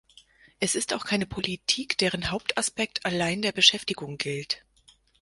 Es ist auch keine Politik, deren Hauptaspekt allein der Beschäftigung gilt.